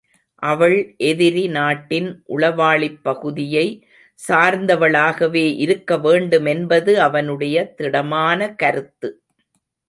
அவள் எதிரி நாட்டின் உளவாளிப் பகுதியை சார்ந்தவளாகவே இருக்க வேண்டுமென்பது அவனுடைய திடமான கருத்து.